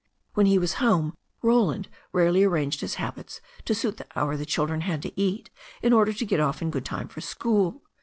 When he was home Roland rarely ar ranged his habits to suit the hour the children had to eat in order to get off in good time for school.